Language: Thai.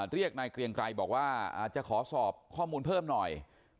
เรียกนายเกรียงไกรบอกว่าอาจจะขอสอบข้อมูลเพิ่มหน่อย